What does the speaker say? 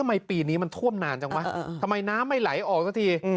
ปีนี้มันท่วมนานจังวะทำไมน้ำไม่ไหลออกสักที